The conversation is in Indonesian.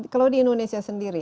kalau di indonesia sendiri